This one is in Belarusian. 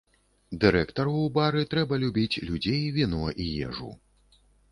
Дырэктару ў бары трэба любіць людзей, віно і ежу.